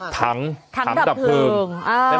ถังถังดับเพลิง